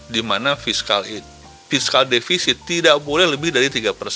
di mana fiscal deficit tidak boleh lebih dari tiga